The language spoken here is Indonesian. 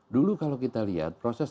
dulu kalau kita lihat proses